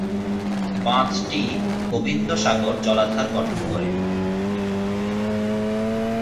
বাঁধটি গোবিন্দ সাগর জলাধার গঠন করে।